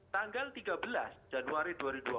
tanggal tiga belas januari dua ribu dua puluh